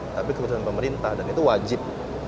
tapi keputusan pemerintah dan itu wajib